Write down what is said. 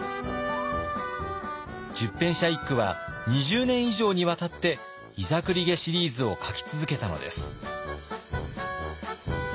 十返舎一九は２０年以上にわたって「膝栗毛シリーズ」を書き続けたのです。